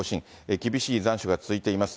厳しい残暑が続いています。